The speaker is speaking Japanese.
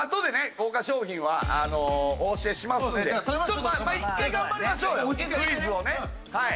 豪華賞品はお教えしますので１回頑張りましょうよクイズをね。